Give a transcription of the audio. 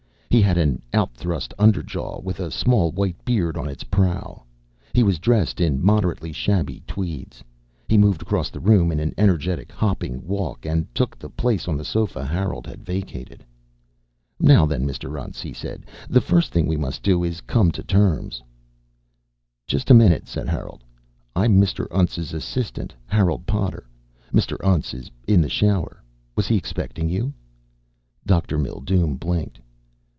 He had an out thrust underjaw with a small white beard on its prow. He was dressed in moderately shabby tweeds. He moved across the room in an energetic hopping walk and took the place on the sofa Harold had vacated. "Now, then, Mr. Untz," he said, "the first thing we must do is come to terms." "Just a minute," said Harold. "I'm Mr. Untz's assistant, Harold Potter. Mr. Untz is in the shower. Was he expecting you?" Dr. Mildume blinked.